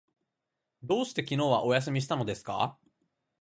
どうして昨日はお休みしたのですか？